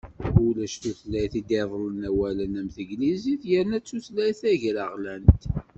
Ulac tutlayt i d-ireḍlen awalen am teglizit yerna d tutlayt tagraɣlant.